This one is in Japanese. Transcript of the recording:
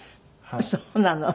そうなの。